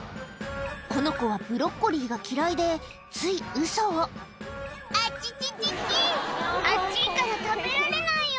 この子はブロッコリーが嫌いでついウソを「アチチチチ熱いから食べられないよ！」